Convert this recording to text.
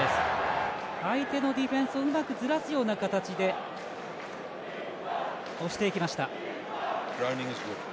相手のディフェンスをうまくずらすような形で押していきました。